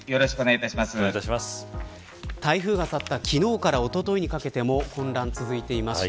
台風が去った昨日からおとといにかけても混乱が続いていました。